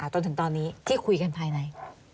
จนถึงตอนนี้ที่คุยกันภายใน